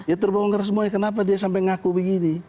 ya terbongkar semuanya kenapa dia sampai ngaku begini